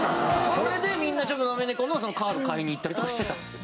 それでみんななめ猫のカード買いに行ったりとかしてたんですよ。